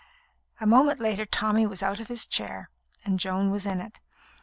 A moment later Tommy was out of his chair, and Joan was in it.